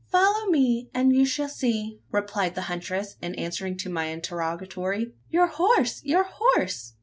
"Follow me, and you shall see!" replied the huntress, in answer to my interrogatory. "Your horse! your horse!